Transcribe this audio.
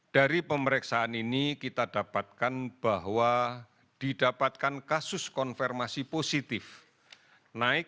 dari pemeriksaan ini kita dapatkan bahwa didapatkan kasus konfirmasi positif naik enam ratus tujuh puluh dua